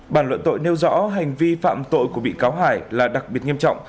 bản luận tội nêu rõ hành vi phạm tội của bị cáo hải là đặc biệt nghiêm trọng